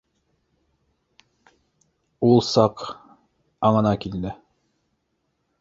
Ул саҡ аңына килде